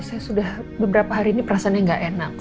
saya sudah beberapa hari ini perasanya nggak enak